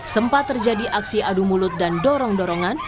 sempat terjadi aksi adu mulut dan dorong dorongan